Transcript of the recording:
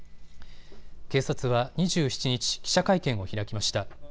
警察は２７日、記者会見を開きました。